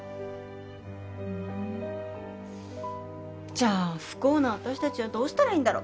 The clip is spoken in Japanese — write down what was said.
じゃあ不幸な私たちはどうしたらいいんだろ。